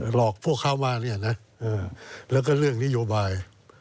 หลอกพวกเขามาเนี่ยนะแล้วก็เรื่องนโยบาย